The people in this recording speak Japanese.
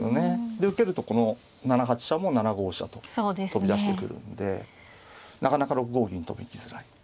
で受けるとこの７八飛車も７五飛車と飛び出してくるんでなかなか６五銀とも行きづらい。